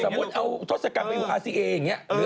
สมมุติเอาทศกรรมไปอยู่อาเซียอย่างเงี้ย